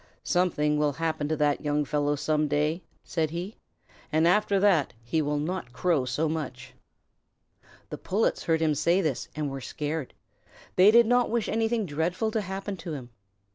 "Something will happen to that young fellow some day," said he, "and after that he will not crow so much." The Pullets heard him say this and were scared. They did not wish anything dreadful to happen to him.